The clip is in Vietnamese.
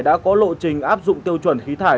đã có lộ trình áp dụng tiêu chuẩn khí thải